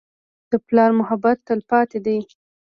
د پلار محبت تلپاتې دی.